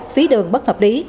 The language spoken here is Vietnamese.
phí đường bất hợp lý